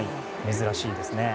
珍しいですね。